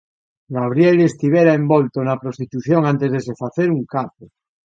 Gabriele estivera envolto na prostitución antes de se facer un capo.